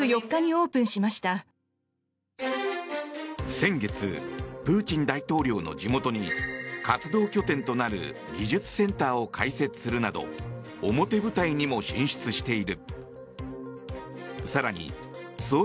先月、プーチン大統領の地元に活動拠点となる技術センターを開設するなど表舞台にも進出している。